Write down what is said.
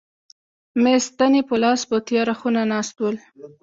مې ستنې په لاس په تیاره خونه کې ناست ول.